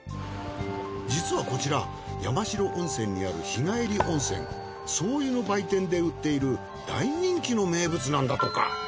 実はこちら山代温泉にある日帰り温泉総湯の売店で売っている大人気の名物なんだとか。